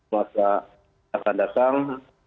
bahwa tanda sang